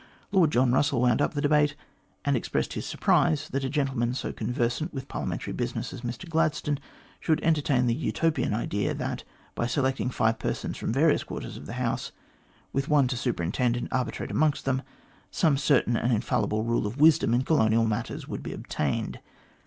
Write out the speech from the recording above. Lord John Russell wound up the debate, and expressed his surprise that a gentleman so con versant with Parliamentary business as Mr Gladstone should entertain the Utopian idea that, by selecting five persons from various quarters of the House, with one to superintend and arbitrate amongst them, some certain and infallible rule of wisdom in colonial matters would be obtained.